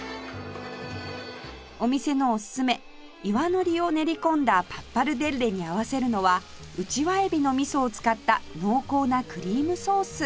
お店のおすすめ岩のりを練り込んだパッパルデッレに合わせるのはウチワエビの味噌を使った濃厚なクリームソース